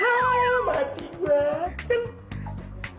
hah mati gua